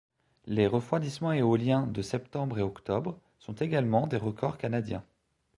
Les refroidissements éoliens de septembre et octobre sont également des records canadiens.